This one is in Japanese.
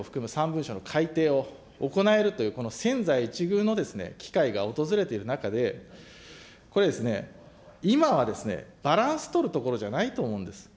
３文書の改訂を行えるという千載一遇の機会が訪れている中で、これですね、今はバランス取るところじゃないと思うんです。